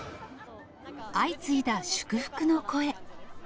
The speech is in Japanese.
相次いだ祝福の声。